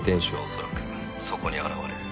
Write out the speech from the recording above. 恐らくそこに現れる。